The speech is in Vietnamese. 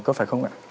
có phải không ạ